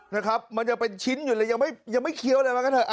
นะครับมันจะเป็นชิ้นอยู่เลยยังไม่เคี้ยวอะไรมากันเถอะ